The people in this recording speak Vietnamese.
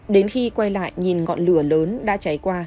đến khi quay lại nhìn ngọn lửa lớn đã cháy qua